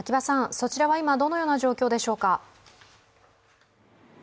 そちらは今、どのような状況でしょうか？